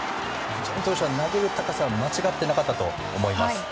藤浪投手は投げる高さは間違ってなかったと思います。